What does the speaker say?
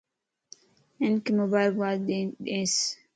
ھنک مبارڪباد ڏينس